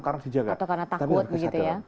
karena dijaga tapi karena takut